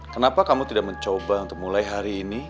kenapa kamu tidak mencoba untuk mulai hari ini